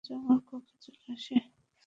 আমি সোজা আমার কক্ষে চলে আসি।